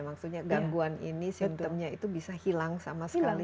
maksudnya gangguan ini simplemnya itu bisa hilang sama sekali